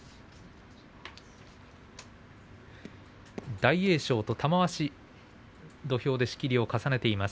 大栄翔と玉鷲土俵で仕切りを重ねています。